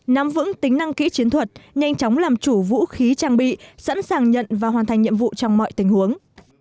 nắm vững tính năng kỹ chiến thuật nhanh chóng làm chủ vũ khí trang bị sẵn sàng nhận và hoàn thành nhiệm vụ trong mọi tình huống